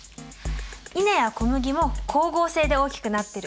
イネや小麦も光合成で大きくなってる。